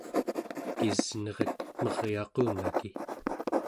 kisneret meryaqunaki